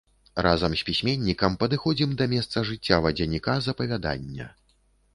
Разам з пісьменнікам падыходзім да месца жыцця вадзяніка з апавядання.